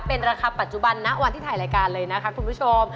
เป็นราคาปัจจุบันนะวันที่ถ่ายรายการเลยนะคะคุณผู้ชม